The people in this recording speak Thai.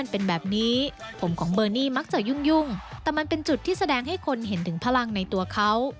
เป็นแบบนี้ผมของเบอร์นี่มักจะยุ่งแต่มันเป็นจุดที่แสดงให้คนเห็นถึงพลังในตัวเขา